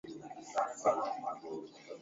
Utawasikia wakisema mwanamke ni pambo la ndani